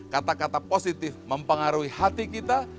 kata kata positif mempengaruhi hati kita